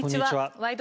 「ワイド！